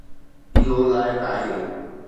اهو لائق آهي